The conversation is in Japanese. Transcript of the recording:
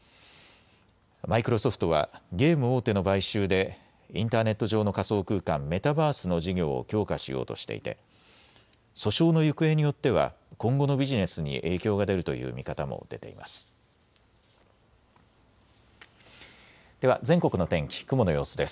マイクロソフトはゲーム大手の買収でインターネット上の仮想空間メタバースの事業を強化しようとしていて訴訟の行方によっては今後のビジネスに影響が出るという見方も出ています。